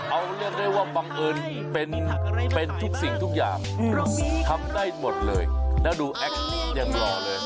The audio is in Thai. เอาเรียกได้ว่าบังเอิญเป็นทุกสิ่งทุกอย่างทำได้หมดเลยแล้วดูแอคยังรอเลย